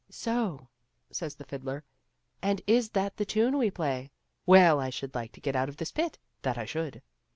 " So," said the fiddler, " and is that the tune we play ? Well, I should like to get out of this pit, that I should."